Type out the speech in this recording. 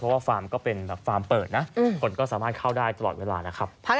เพราะว่าฟาร์มเปิดนะคนก็สามารถเข้าได้ตลอดเวลานะครับ